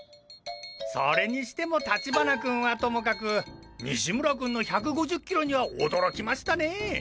それにしても立花君はともかく西村君の１５０ｋｍには驚きましたねえ。